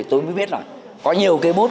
tôi mới biết là có nhiều cây bút